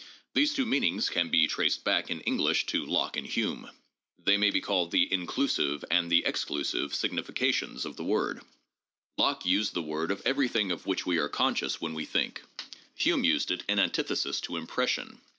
These two meanings can be traced back in English to Locke and Hume. They may be called the inclusive and the exclusive significations of the word. Locke used the word of everything of •This Joubnal, Vol. V., p. 378. 589 590 THE JOURNAL OF PHILOSOPHY which we are conscious when we think; Hume used it in antithesis to "impression."